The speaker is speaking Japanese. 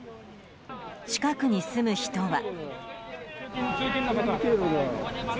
近くに住む人は。